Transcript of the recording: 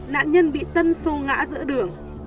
nạn nhân bị tân xô ngã giữa đường